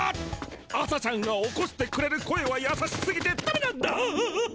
朝ちゃんが起こしてくれる声はやさしすぎてダメなんだハハハ。